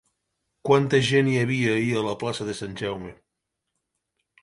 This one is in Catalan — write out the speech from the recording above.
Quanta gent hi havia ahir a la plaça de Sant Jaume?